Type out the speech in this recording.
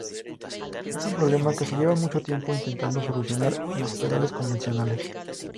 Es un problema que se lleva mucho tiempo intentando solucionar en los pedales convencionales.